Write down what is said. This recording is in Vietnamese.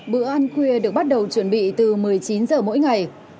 bữa ăn khuya được bắt đầu chuẩn bị từ một mươi chín h mỗi ngày